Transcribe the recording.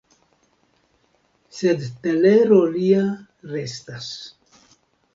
Sed telero lia restas.